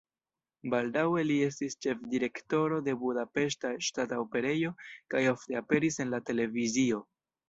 Baldaŭe li estis ĉefdirektoro de Budapeŝta Ŝtata Operejo kaj ofte aperis en la televizio.